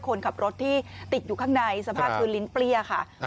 คนขับรถที่ติดอยู่ข้างในสภาพคือลิ้นเปรี้ยค่ะ